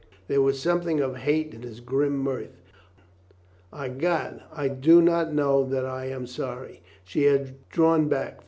There was something of hate in his grim mirth. "I'gad, I do not know that I am sorry." She had drawn back.